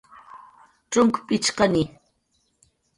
cxunk pichqani